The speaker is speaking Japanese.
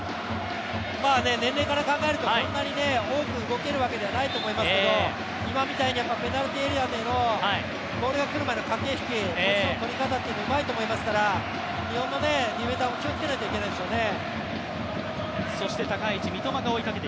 年齢から考えるとそんなに多く動けるわけじゃないと思いますけど、今みたいにペナルティーエリアでのボールが来る前の駆け引き、ポジションの取り方っていうのがうまいと思いますから日本も気をつけないといけないでしょうね。